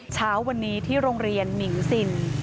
เช้าวันนี้ที่โรงเรียนหมิ่งซิน